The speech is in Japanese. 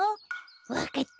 わかった。